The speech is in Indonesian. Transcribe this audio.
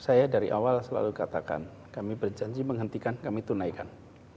saya dari awal selalu katakan kami berjanji menghentikan kami tunaikan